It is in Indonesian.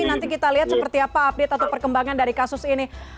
nanti kita lihat seperti apa update atau perkembangan dari kasus ini